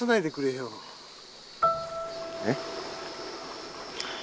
えっ？